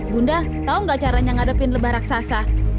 bunda tau gak caranya ngadepin lebah raksasa